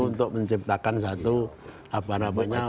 untuk menciptakan satu apa namanya